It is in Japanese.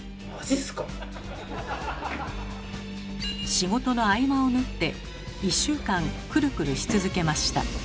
仕事の合間を縫って１週間クルクルし続けました。